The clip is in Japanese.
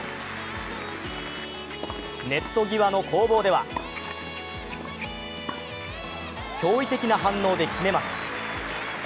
ネット際の攻防では驚異的な反応で決めます。